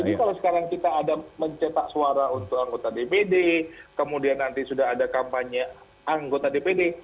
jadi kalau sekarang kita mencetak suara untuk anggota dpd kemudian nanti sudah ada kampanye anggota dpd